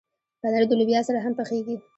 پنېر د لوبیا سره هم پخېږي.